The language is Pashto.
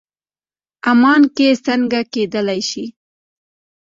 عمان کې څنګه کېدلی شي.